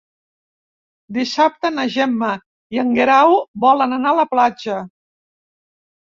Dissabte na Gemma i en Guerau volen anar a la platja.